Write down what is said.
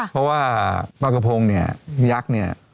เพราะว่าปลากระพงเนี่ยยักษ์เนี่ย